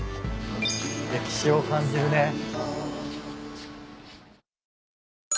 歴史を感じるね。